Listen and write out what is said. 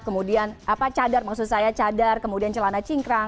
kemudian cadar maksud saya cadar kemudian celana cingkrang